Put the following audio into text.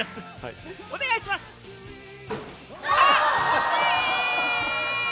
惜しい！